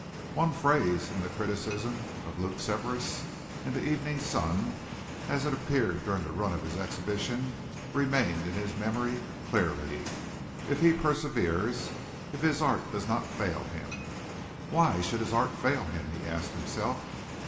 One phrase in the criticisms of Luke Severas in the Evening Sun as it appeared during the run of his exhibition remained in his memory clearly "If he perseveres, if his art does not fail him." Why should his art fail him? he asked himself.